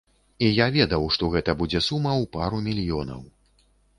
І я ведаў, што гэта будзе сума ў пару мільёнаў.